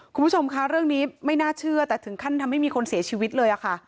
คุณผู้ชมคะเรื่องนี้ไม่น่าเชื่อแต่ถึงขั้นทำให้มีคนเสียชีวิตเลยค่ะ